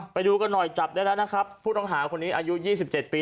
ไปดูกันหน่อยจับได้แล้วนะครับผู้ต้องหาคนนี้อายุ๒๗ปี